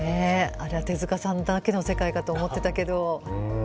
あれは手さんだけの世界かと思ってたけど。